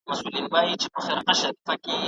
هغوی د تازه میوو په مینځلو بوخت دي.